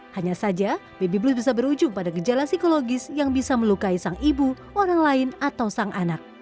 hanya saja baby blue bisa berujung pada gejala psikologis yang bisa melukai sang ibu orang lain atau sang anak